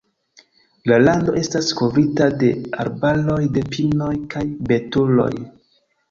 La lando estas kovrita de arbaroj de pinoj kaj betuloj.